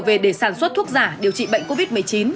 về để sản xuất thuốc giả điều trị bệnh covid một mươi chín